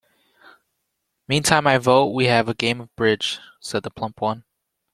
“Meantime I vote we have a game of bridge,” said the plump one.